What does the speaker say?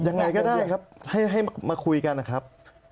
ยังไงก็ได้ครับให้มาคุยกันนะครับ